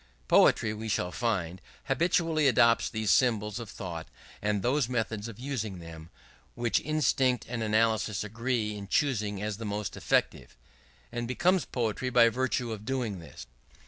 Poetry, we shall find, habitually adopts those symbols of thought, and those methods of using them, which instinct and analysis agree in choosing as most effective, and becomes poetry by virtue of doing this.